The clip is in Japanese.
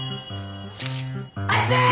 熱い！